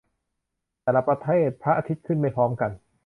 แต่ละประเทศ พระอาทิตย์ขึ้นไม่พร้อมกัน